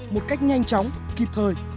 một cách nhanh chóng kịp thời